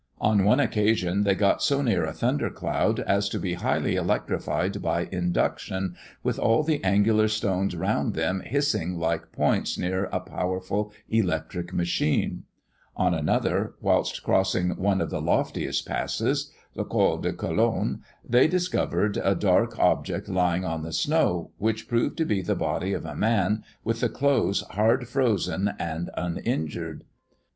On one occasion, they got so near a thundercloud, as to be highly electrified by induction, with all the angular stones round them hissing like points near a powerful electrical machine; on another, whilst crossing one of the loftiest passes, the Col de Collon, they discovered a dark object lying on the snow, which proved to be the body of a man, with the clothes hard frozen and uninjured.